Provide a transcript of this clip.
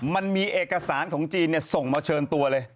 มันมีเอกสารของจีนส่งมาเชิญตัวเลย